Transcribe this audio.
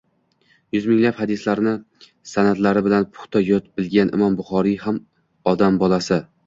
Yuz minglab hadislarni sanadlari bilan puxta yod bilgan Imom Buxoriy ham odam bolasi.